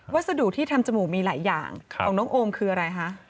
สดุที่ทำจมูกมีหลายอย่างของน้องโอมคืออะไรคะ